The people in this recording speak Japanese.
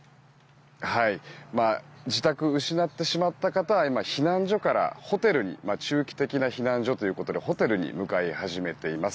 自宅を失ってしまった方は避難所から中期的な避難所ということでホテルに向かい始めています。